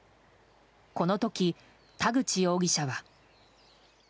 この時、田口容疑者は。